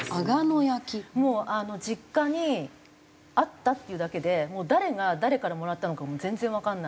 実家にあったっていうだけでもう誰が誰からもらったのかも全然わからない。